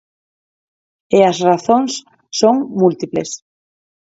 E as razóns son múltiples.